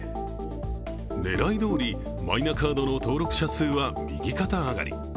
狙いどおり、マイナカードの登録者数は右肩上がり。